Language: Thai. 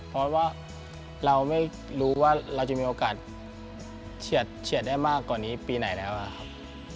เพราะว่าเราไม่รู้ว่าเราจะมีโอกาสเฉียดได้มากกว่านี้ปีไหนแล้วครับ